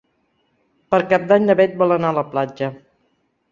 Per Cap d'Any na Beth vol anar a la platja.